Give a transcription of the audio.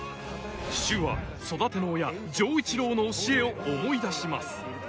柊は育ての親丈一郎の教えを思い出します